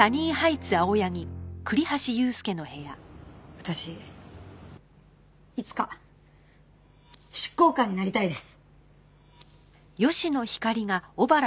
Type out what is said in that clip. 私いつか執行官になりたいです。